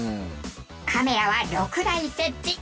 カメラは６台設置。